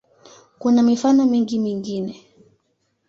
Kuna mifano mingi mingine.